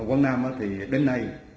ở quảng nam thì đến nay